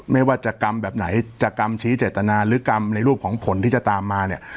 ไม่ว่าจะกรรมแบบไหนจะกรรมชี้เจตนาหรือกรรมในรูปของผลที่จะตามมาเนี่ย